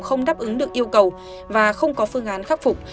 không đáp ứng được yêu cầu và không có phương án khắc phục